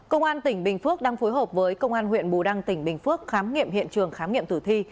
công an tỉnh bình phước đang phối hợp với công an huyện bù đăng tỉnh bình phước khám nghiệm hiện trường khám nghiệm tử thi